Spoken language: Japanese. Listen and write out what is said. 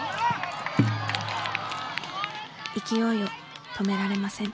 勢いを止められません。